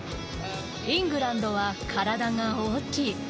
イングランドは体が大きい。